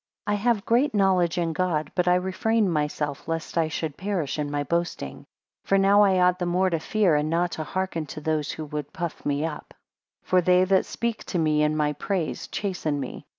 12 I have great knowledge in God; but I refrain myself, lest I should perish in my boasting. 13 For now I ought the more to fear, and not to hearken to those that would puff me up. 14 For they that speak to me, in my praise, chasten me.